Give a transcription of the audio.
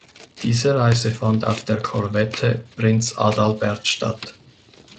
Diese Reise fand auf der Korvette "Prinz Adalbert" statt.